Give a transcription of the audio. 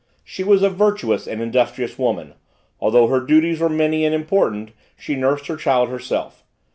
She was a virtuous and industrious woman; although her duties were many and important, she nursed her child herself.